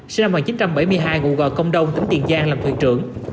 sinh năm một nghìn chín trăm bảy mươi hai ngụ g công đông tỉnh tiền giang làm thuyền trưởng